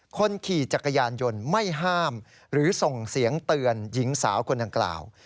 คนขี่จักรยานยนต์ไม่ห้ามหรือส่งเสียงเตือนหญิงสาวคนดังกล่าว